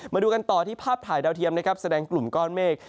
มาดูกันต่อที่ภาพถ่ายดาวเทียมนะครับแสดงกลุ่มก้อนเมฆ